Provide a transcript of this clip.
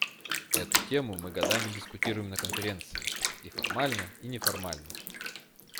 Эту тему мы годами дискутируем на Конференции − и формально, и неформально.